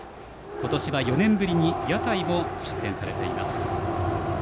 今年は４年ぶりに屋台も出店されています。